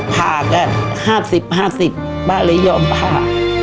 พาก็๕๐๕๐บ้าเลยยอมพา